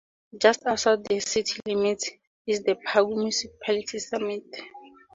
Just outside the city limits is the Parque Municipal Summit.